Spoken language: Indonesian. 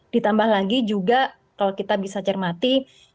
ditambah lagi juga kalau kita bisa cermati